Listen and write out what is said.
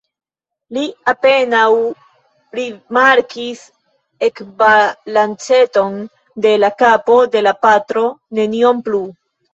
Li apenaŭ rimarkis ekbalanceton de la kapo de la patro; nenion plu.